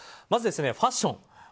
まず、ファッション。